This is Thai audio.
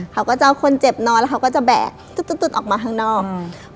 เขาก็จะเอาคนเจ็บนอนแล้วเขาก็จะแบกตุ๊ดตุ๊ดออกมาข้างนอกอืม